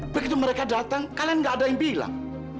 begitu mereka datang kalian gak ada yang bilang